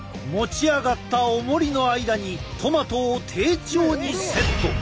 持ち上がったおもりの間にトマトを丁重にセット。